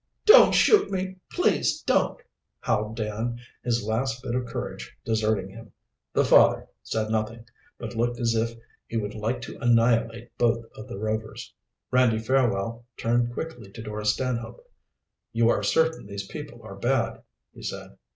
"Don't shoot me, please don't!" howled Dan, his last bit of courage deserting him. The father said nothing, but looked as if he would like to annihilate both of the Rovers. Randy Fairwell turned quickly to Dora Stanhope. "You are certain these people are bad?" he said.